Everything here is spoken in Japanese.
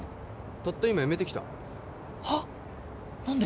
たった今辞めてきたはっ何で？